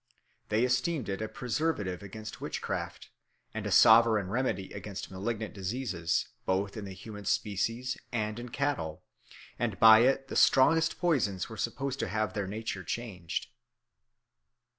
They esteemed it a preservative against witch craft, and a sovereign remedy against malignant diseases, both in the human species and in cattle; and by it the strongest poisons were supposed to have their nature changed.